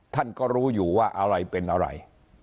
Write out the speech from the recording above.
ท่านก็รู้อยู่ว่าอะไรเป็นอะไร